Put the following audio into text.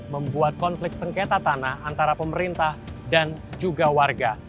membuat konflik sengketa tanah antara pemerintah dan juga warga